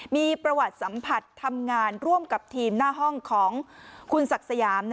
มีประวัติสัมผัสทำงานร่วมกับทีมหน้าห้องของคุณศักดิ์สยาม